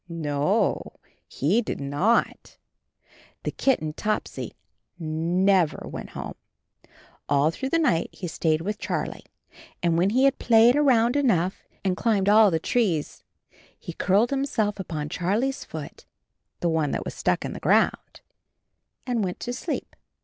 No, he did not. The kitten Topsy never went home. All through the night he stayed with Charlie, and when he had played ANB HIS KITTEN TOPSY 45 around enough and climbed all the trees he curled himself upon Charlie's foot — ^the one that was stuck in the ground — and went to sleep.